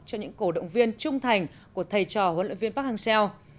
cho những cổ động viên trung thành của thầy trò huấn luyện viên park hang seo